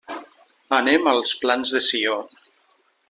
Anem als Plans de Sió.